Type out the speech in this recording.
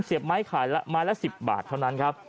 เสียบไม้ขายละไม้ละ๑๐บาทเท่านั้นครับ